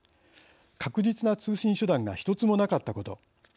確実な通信手段が１つもなかったこと。